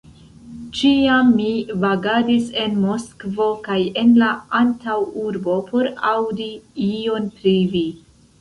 Ĉiam mi vagadis en Moskvo kaj en la antaŭurbo, por aŭdi ion pri vi!